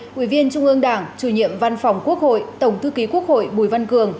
nguyên trung ương đảng chủ nhiệm văn phòng quốc hội tổng thư ký quốc hội bùi văn cường